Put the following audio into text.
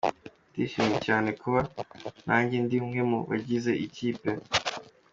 ndishimye cyane kuba nanjye ndi umwe mu bagize iyi kipe.